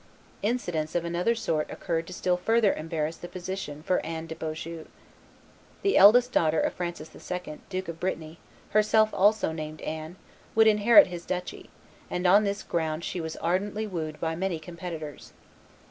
Incidents of another sort occurred to still further embarrass the position for Anne de Beaujeu. The eldest daughter of Francis II., Duke of Brittany, herself also named Anne, would inherit his duchy, and on this ground she was ardently wooed by many competitors.